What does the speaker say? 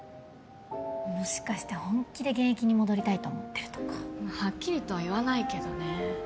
もしかして本気で現役に戻りたいと思ってるとかはっきりとは言わないけどね